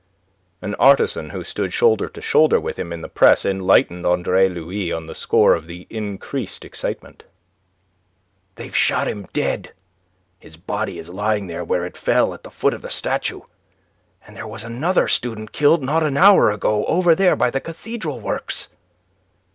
An artisan who stood shoulder to shoulder with him in the press enlightened Andre Louis on the score of the increased excitement. "They've shot him dead. His body is lying there where it fell at the foot of the statue. And there was another student killed not an hour ago over there by the cathedral works.